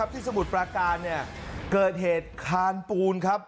สมุทรปราการเกิดเหตุคานปูนครับ